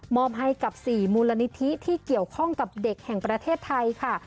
อบให้กับ๔มูลนิธิที่เกี่ยวข้องกับเด็กแห่งประเทศไทยค่ะ